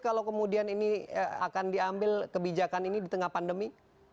kalau kemudian ini akan diambil kebijakan ini di tengah pandemi